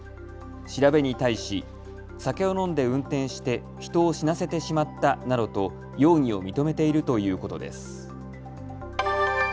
調べに対し酒を飲んで運転して人を死なせてしまったなどと容疑を認めているということです。